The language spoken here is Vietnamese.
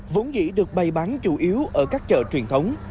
vốn dĩ được bày bán chủ yếu ở các chợ truyền thống